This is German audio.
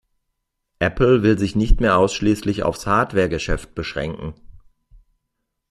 Apple will sich nicht mehr ausschließlich auf's Hardware-Geschäft beschränken.